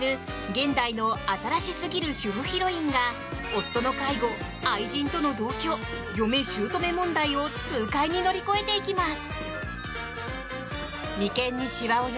現代の新しすぎる主婦ヒロインが夫の介護、愛人との同居嫁姑問題を痛快に乗り越えていきます。